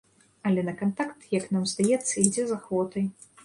Але на кантакт, як нам здаецца, ідзе з ахвотай.